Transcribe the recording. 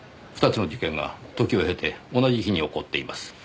２つの事件が時を経て同じ日に起こっています。